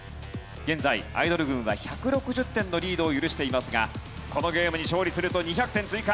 現在アイドル軍は１６０点のリードを許していますがこのゲームに勝利すると２００点追加。